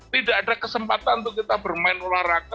tidak ada kesempatan untuk kita bermain olahraga